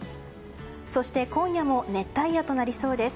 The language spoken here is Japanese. そして今夜も熱帯夜となりそうです。